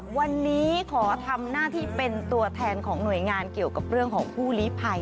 วันนี้ขอทำหน้าที่เป็นตัวแทนของหน่วยงานเกี่ยวกับเรื่องของผู้ลีภัย